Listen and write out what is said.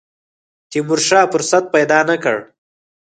تیمورشاه فرصت پیدا نه کړ.